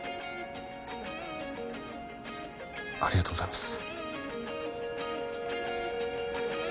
ありがとうございます。